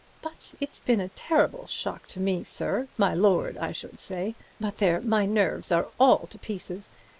But it's been a terrible shock to me, sir—my lord, I should say, but there! my nerves are all to pieces.